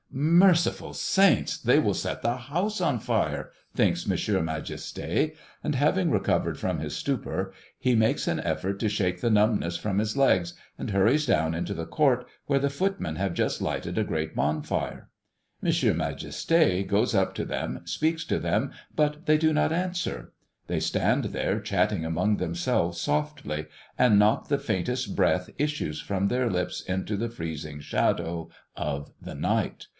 "Merciful saints! they will set the house on fire!" thinks M. Majesté; and having recovered from his stupor, he makes an effort to shake the numbness from his legs, and hurries down into the court, where the footmen have just lighted a great bonfire. M. Majesté goes up to them, speaks to them; but they do not answer; they stand there chatting among themselves softly, and not the faintest breath issues from their lips into the freezing shadow of the night.